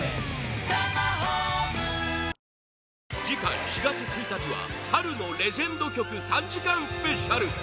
次回４月１日は春のレジェンド曲３時間スペシャル！